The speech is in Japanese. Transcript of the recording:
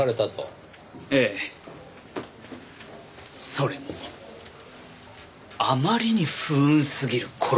それもあまりに不運すぎる殺され方で。